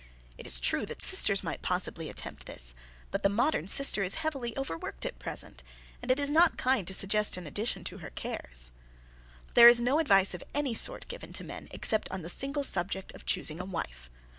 It is true that sisters might possibly attempt this, but the modern sister is heavily overworked at present and it is not kind to suggest an addition to her cares. [Sidenote: Neglected By His Kind] There is no advice of any sort given to men except on the single subject of choosing a wife.